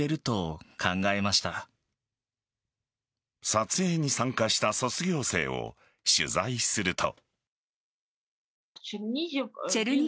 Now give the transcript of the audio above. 撮影に参加した卒業生を取材すると。